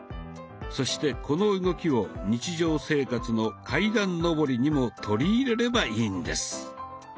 そしてこの動きを日常生活の階段上りにも取り入れればいいんです。